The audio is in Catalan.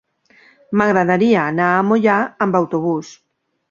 M'agradaria anar a Moià amb autobús.